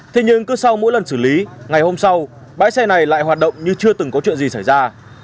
thế nhưng cứ sau mỗi lần xử lý ngày hôm sau bãi xe này lại hoạt động như chưa từng có chuyện gì xảy ra